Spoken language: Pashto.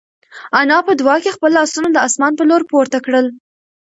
انا په دعا کې خپل لاسونه د اسمان په لور پورته کړل.